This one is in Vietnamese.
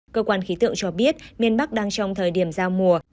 cơ quan khí tượng cho biết miền bắc đang trong thời điểm giao mùa